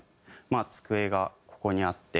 「まあ机がここにあって」